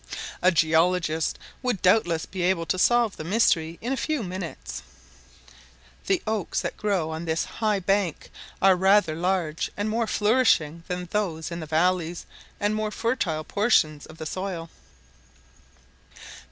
A geologist would doubtless be able to solve the mystery in a few minutes. The oaks that grow on this high bank are rather larger and more flourishing than those in the valleys and more fertile portions of the soil.